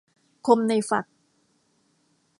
คมในฝัก